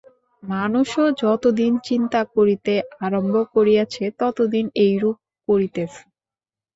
মানুষও যতদিন চিন্তা করিতে আরম্ভ করিয়াছে, ততদিন এইরূপ করিতেছে।